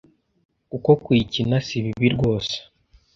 kuko kuyikina si bibi.rwose